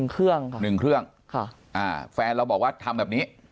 ๑เครื่องค่ะแฟนเราบอกว่าทำแบบนี้